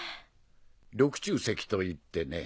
緑柱石といってね